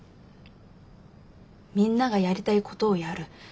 みんながやりたいことをやる。